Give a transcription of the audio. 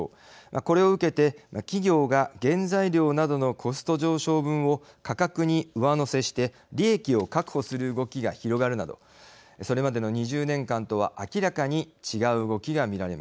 これを受けて企業が原材料などのコスト上昇分を価格に上乗せして利益を確保する動きが広がるなどそれまでの２０年間とは明らかに違う動きが見られます。